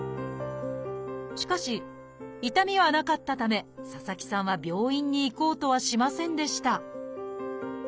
しかし痛みはなかったため佐々木さんは病院に行こうとはしませんでした